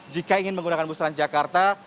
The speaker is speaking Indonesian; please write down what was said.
jika ingin menggunakan bus transjakarta